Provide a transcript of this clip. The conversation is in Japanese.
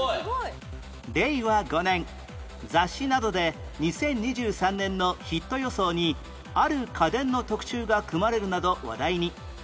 令和５年雑誌などで２０２３年のヒット予想にある家電の特集が組まれるなど話題に